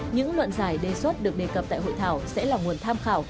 những luận giải đề xuất được đề cập tại hội thảo sẽ là nguồn tham khảo